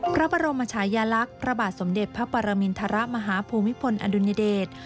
พระบรมชายลักษณ์พระบาทสมเด็จพระปรมินทรมาฮภูมิพลอดุญเดช